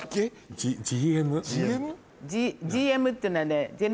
ＧＭっていうのはね。